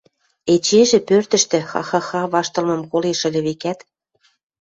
эчежӹ пӧртӹштӹ ха-ха-ха! ваштылмым колеш ыльы, векӓт...